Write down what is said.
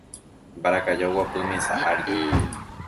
Mbarakaja oguapy mesa ári.